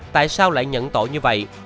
tại sao lại nhận tội như vậy